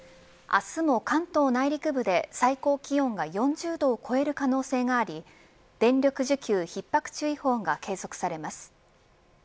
明日も関東内陸部で最高気温が４０度を超える可能性があり電力需給ひっ迫注意報が継続されます。